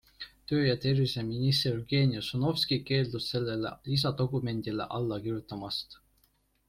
Töö- ja terviseminister Jevgeni Ossinovski keeldus sellele lisadokumendile alla kirjutamast.